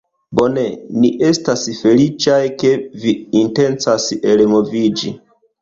Bone. Ni estas feliĉaj, ke vi intencas elmoviĝi